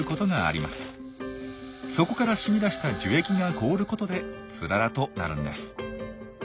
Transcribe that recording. そこから染み出した樹液が凍ることでツララとなるんです。